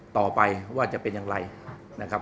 ต่อไปว่าจะเป็นอย่างไรนะครับ